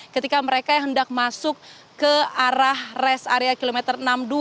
ketika mereka yang hendak masuk ke arah res area kilometer enam puluh dua